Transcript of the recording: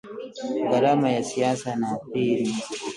GHARAMA YA SIASA NA PILI